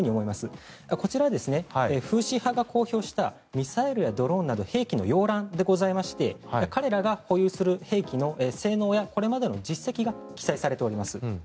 こちらはフーシ派が公表したミサイルなどの兵器のようらんでございまして彼らが保有する兵器の性能やこれまでの実績が記載されています。